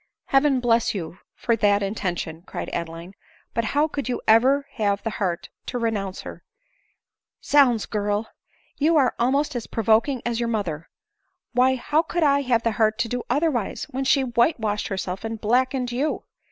" Heaven bless you for that intention !" cried Ade m line. " But how could you ever have the heart to re nounce her ?"" Zounds, girl ! you are almost as provoking as your mother. Why, how could I have the heart to do other wise, when she whitewashed herself and blackened you